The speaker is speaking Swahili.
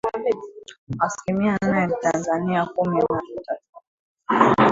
asilimi nane nchini Tanzania, kumi na tatun